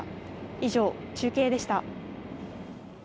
以上、中継でした。